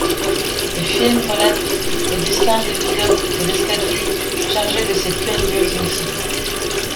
Le film relate le destin des pilotes de l'escadrille chargée de cette périlleuse mission.